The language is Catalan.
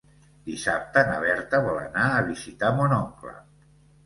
Dissabte na Berta vol anar a visitar mon oncle.